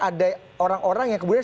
ada orang orang yang kemudian